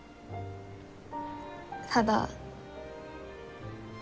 ただ。